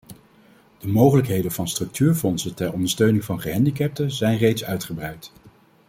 De mogelijkheden van de structuurfondsen ter ondersteuning van gehandicapten zijn reeds uitgebreid.